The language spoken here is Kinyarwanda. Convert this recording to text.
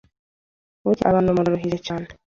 burya abantu muraruhije cyane